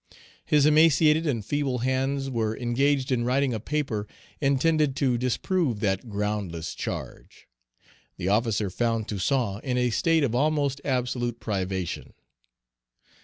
His emaciated and feeble hands were engaged in writing a paper intended to disprove that groundless charge. The officer found Toussaint in a state of almost absolute privation.